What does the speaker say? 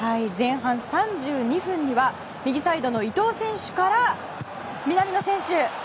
前半３２分には右サイドの伊東選手から南野選手。